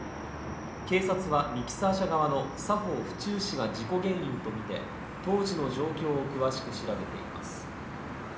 警察はミキサー車側の左方不注視が事故原因とみて当時の状況を詳しく調べています。